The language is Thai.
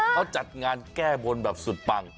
เขาจัดงานแก้บนแบบสุดปัง